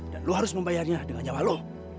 dan lo harus membayarnya dengan nyawa lo